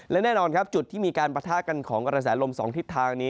และแน่นอนครับจุดที่มีการปะทะกันของกระแสลม๒ทิศทางนี้